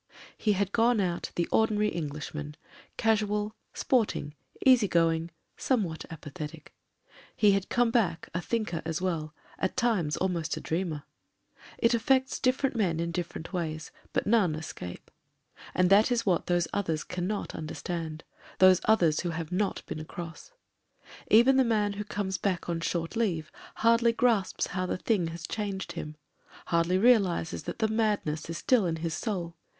He had gone out the ordinary Englishman — casual, sport ing, easy going, somewhat apathetic; he had come back a thinker as well, at times almost a dreamer. It affects different men in different ways — ^but none es cape. And that is what those others cannot under stand — ^those others who have not been across. Even the man who comes back on short leave hardly grasps how the thing has changed him : hardly realises that the madness is still in his soul.